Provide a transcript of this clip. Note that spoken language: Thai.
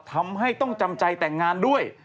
ทำให้ต้องจำใจแต่งงานด้วย